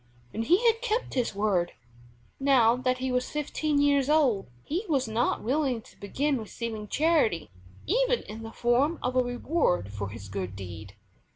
And he had kept his word. Now that he was fifteen years old he was not willing to begin receiving charity even in the form of a reward for his good deed.